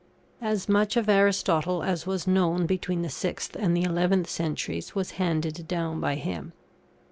As much of Aristotle as was known between the 6th and the 11th centuries was handed down by him.